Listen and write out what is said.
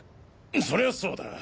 そりゃそうだ。